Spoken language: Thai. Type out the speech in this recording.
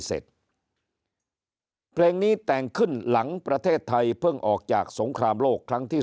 เพลงนี้แต่งขึ้นหลังประเทศไทยเพิ่งออกจากสงครามโลกครั้งที่๓